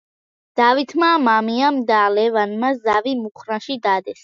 დავითმა, მამიამ და ლევანმა ზავი მუხრანში დადეს.